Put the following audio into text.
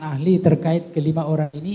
ahli terkait kelima orang ini